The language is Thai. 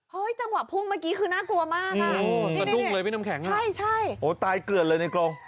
เฮ้ยจังหวะพุ่งเมื่อกี้คือน่ากลัวมากนี่โอ้โหตายเกือบเลยนิโก